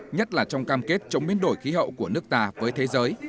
nhất là trong cam kết chống biến đổi khí hậu của nước ta với thế giới